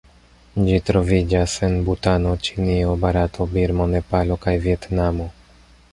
Ĝi troviĝas en Butano, Ĉinio, Barato, Birmo, Nepalo kaj Vjetnamo.